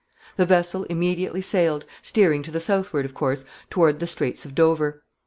] The vessel immediately sailed, steering to the southward, of course, toward the Straits of Dover.